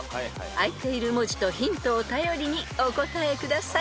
［開いている文字とヒントを頼りにお答えください］